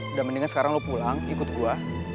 udah mendingan sekarang lu pulang ikut gua